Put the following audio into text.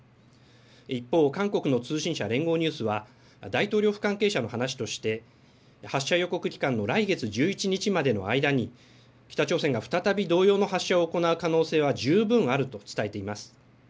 一方、韓国の通信社、連合ニュースは大統領府関係者の話として発射予告期間の来月１１日までの間に北朝鮮が再び同様の発射を行う可能性は十分あると伝えています。